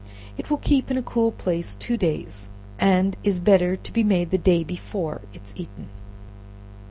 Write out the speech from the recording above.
It will keep in a cool place two days, and is better to be made the day before it is eaten.